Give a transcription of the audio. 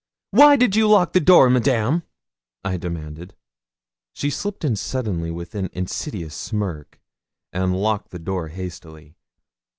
'Why did you lock the door, Madame?' I demanded. She slipped in suddenly with an insidious smirk, and locked the door hastily.